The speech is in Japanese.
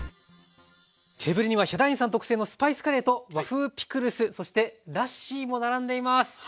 テーブルにはヒャダインさん特製のスパイスカレーと和風ピクルスそしてラッシーも並んでいます。